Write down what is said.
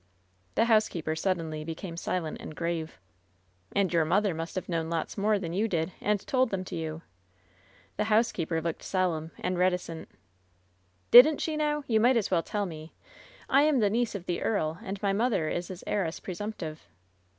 The housekeeper suddenly became silent and grave. "And. your mother must have known lots more than you did and told them to you." The housekeeper looked solemn and reticient. ^TDidn't she, now ? You might as well tell me. I am the niece of the earl, and my mother is his heiress pre sumptive."